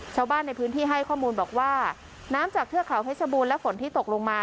ชาวบ้านในพื้นที่ให้ข้อมูลบอกว่าน้ำจากเทือกเขาเพชรบูรณ์และฝนที่ตกลงมา